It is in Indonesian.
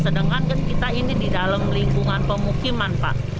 sekarang kan kita ini di dalam lingkungan pemukiman pak